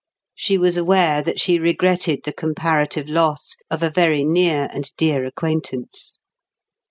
She was aware that she regretted the comparative loss of a very near and dear acquaintance.